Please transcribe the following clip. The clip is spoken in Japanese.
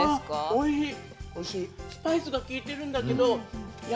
おいしい。